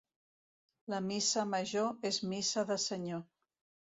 La missa major és missa de senyor.